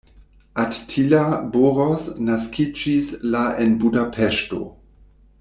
Attila Boros naskiĝis la en Budapeŝto.